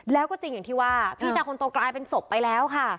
แล้วก็จริงอย่างที่ว่าพี่ชายคนโตกลายเป็นศพไปแล้วค่ะ